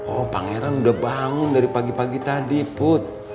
oh pangeran udah bangun dari pagi pagi tadi put